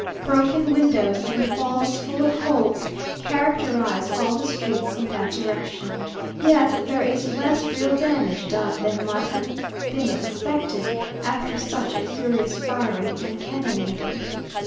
Broken windows and walls full of holes characterize all the streets in that direction, yet there is less real damage done than might have been expected, after such a furious firing and cannonading.